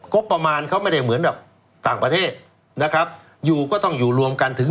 ประมาณเขาไม่ได้เหมือนแบบต่างประเทศนะครับอยู่ก็ต้องอยู่รวมกันถึง